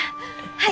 はい。